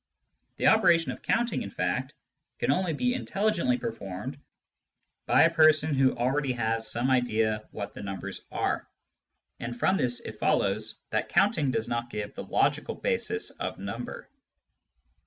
The operation of counting, in fact, can only be intelligently performed by a person who already has some idea what the numbers are ; and from this it follows that counting does not give the logical basis of number.